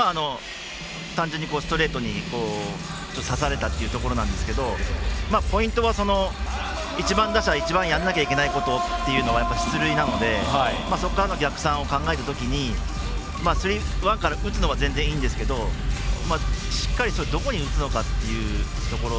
単純にストレートにさされたっていうところなんですけどポイントは１番打者が一番やらなきゃいけないことっていうのは出塁なので、そこからの逆算を考えるときにスリーワンから打つのは全然いいんですけど、しっかりどこに打つのかっていうところ。